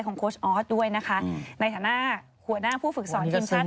โค้ชออสด้วยนะคะในฐานะหัวหน้าผู้ฝึกสอนทีมชาติ